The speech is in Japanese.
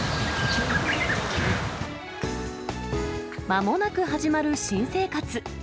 まもなく始まる新生活。